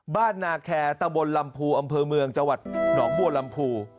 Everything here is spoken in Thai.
บ้านนาแคร์ตะบนลำพูอำเภอเมืองจังหวัดหนองบัวลำพู